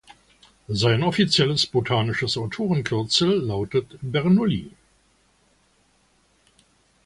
Sein offizielles botanisches Autorenkürzel lautet „Bernoulli“.